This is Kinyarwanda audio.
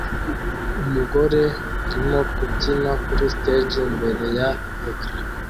Umugore arimo kubyina kuri stage imbere ya ecran